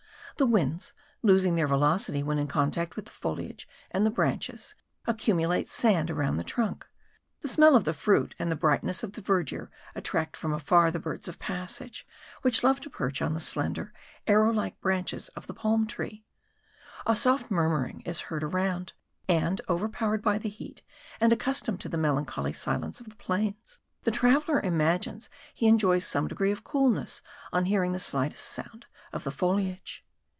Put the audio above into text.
The winds, losing their velocity when in contact with the foliage and the branches, accumulate sand around the trunk. The smell of the fruit and the brightness of the verdure attract from afar the birds of passage, which love to perch on the slender, arrow like branches of the palm tree. A soft murmuring is heard around; and overpowered by the heat, and accustomed to the melancholy silence of the plains, the traveller imagines he enjoys some degree of coolness on hearing the slightest sound of the foliage.